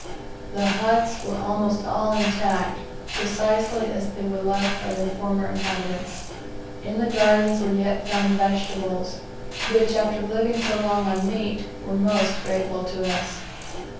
The huts were almost all intact, precisely as they were left by their former inhabitants. In the gardens were yet found vegetables, which, after living so long on meat, were most grateful to us.